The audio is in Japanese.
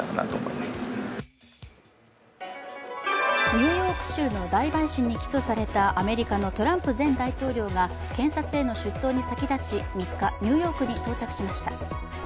ニューヨーク州の大陪審に起訴されたアメリカのトランプ前大統領が検察への出頭に先立ち、３日、ニューヨークに到着しました。